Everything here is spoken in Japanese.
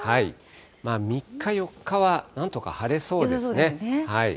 ３日、４日はなんとか晴れそうですね。